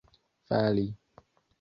fali